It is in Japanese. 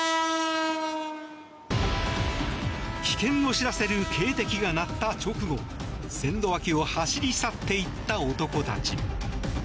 危険を知らせる警笛が鳴った直後線路脇を走り去っていった男たち。